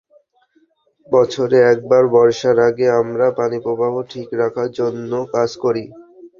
বছরে একবার বর্ষার আগে আমরা পানিপ্রবাহ ঠিক রাখার জন্য কাজ করি।